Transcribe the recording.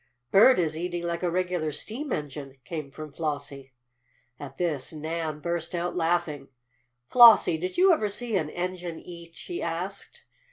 "Bert is eating like a regular steam engine," came from Flossie. At this Nan burst out laughing. "Flossie, did you ever see an engine eat?" she asked.